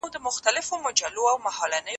د ميرمني حيثيت په څه سي کي نغښتی دی؟